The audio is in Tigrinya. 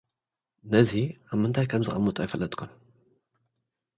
ነዚ ኣብ ምንታይ ከምዘቐምጦ ኣይፈለጥኩን።